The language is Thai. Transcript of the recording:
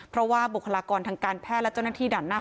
เพราะว่าบุคลากรทางการแพทย์และเจ้าหน้าที่ด่านหน้า